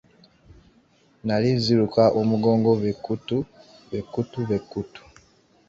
Nnali nziruka omugongo be kkutu, be kkutu, be kkutu!